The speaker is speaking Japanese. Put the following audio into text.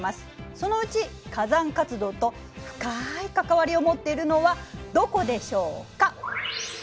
そのうち火山活動と深い関わりを持っているのはどこでしょうか。